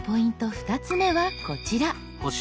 ２つ目はこちら。